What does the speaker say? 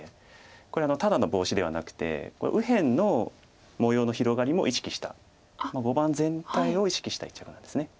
これはただのボウシではなくて右辺の模様の広がりも意識した碁盤全体を意識した一着なんです。